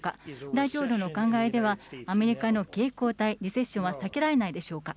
大統領のお考えでは、アメリカのリセッションは避けられないでしょうか。